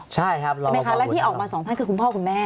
ใช่ครับหลอบประพอแล้วที่ออกมาสองท่านคือคุณพ่อคุณแม่